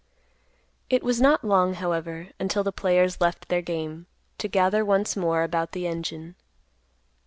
It was not long, however, until the players left their game, to gather once more about the engine.